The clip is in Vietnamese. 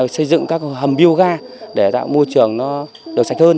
xây dựng các hầm biô gà để tạo môi trường nó được sạch hơn